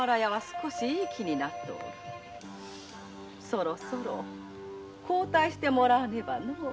そろそろ交代してもらわねばのう。